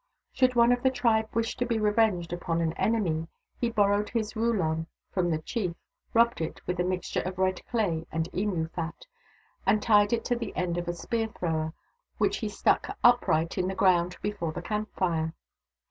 Should one of the tribe wish to be revenged upon an enemy, he borrowed his wuulon from the chief, rubbed it with a mixture of red clay and emu fat, and tied it to the end of a spear thrower, which he stuck upright in the ground before the camp fire.